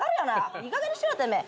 いいかげんにしろてめえ。